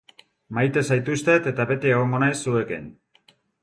Maite zaituztet eta beti egongo naiz zuekin.